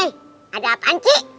eh ada apaan cik